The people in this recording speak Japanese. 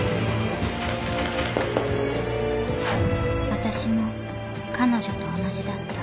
［わたしも彼女と同じだった］